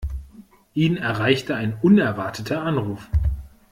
Ihn erreichte ein unerwarteter Anruf.